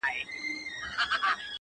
چي شال يې لوند سي د شړۍ مهتاجه سينه,